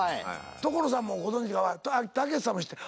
所さんもご存じかたけしさんも知ってる。